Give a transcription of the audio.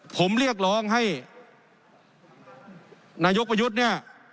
ผมเรียกร้องให้นายกประยุทธ์เนี่ย